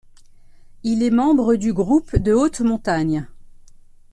Il est membre du Groupe de haute montagne.